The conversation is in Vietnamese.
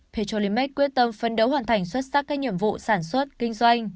petrolimax quyết tâm phân đấu hoàn thành xuất sắc các nhiệm vụ sản xuất kinh doanh